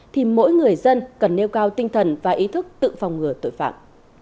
thì mỗi người dân cần nêu cao tinh thần và ý thức tự phòng ngừa tội phạm